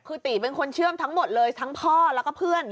คือตีเป็นคนเชื่อมทั้งหมดเลยทั้งพ่อแล้วก็เพื่อน